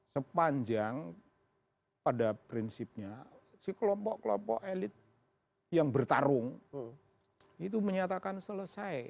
sepanjang pada prinsipnya si kelompok kelompok elit yang bertarung itu menyatakan selesai